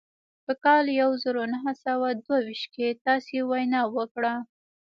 په کال يو زر و نهه سوه دوه ويشت کې تاسې وينا وکړه.